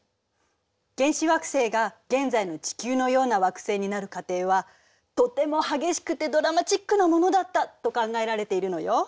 原始惑星が現在の地球のような惑星になる過程はとても激しくてドラマチックなものだったと考えられているのよ。